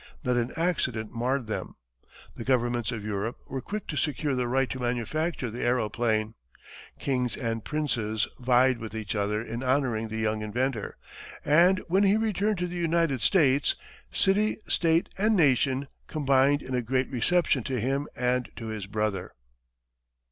Not an accident marred them. The governments of Europe were quick to secure the right to manufacture the aeroplane; kings and princes vied with each other in honoring the young inventor, and when he returned to the United States, city, state, and nation combined in a great reception to him and to his brother.